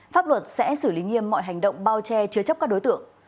pháp luật sẽ xử lý nghiêm mọi hành động bao che chứa chấp các đối tượng